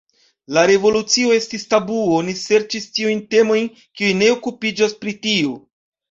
La revolucio estis tabuo, oni serĉis tiujn temojn, kiuj ne okupiĝas pri tio.